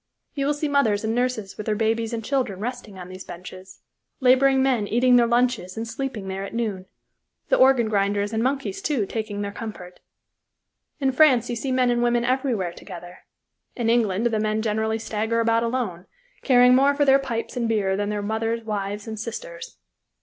You will see mothers and nurses with their babies and children resting on these benches, laboring men eating their lunches and sleeping there at noon, the organ grinders and monkeys, too, taking their comfort. In France you see men and women everywhere together; in England the men generally stagger about alone, caring more for their pipes and beer than their mothers, wives, and sisters.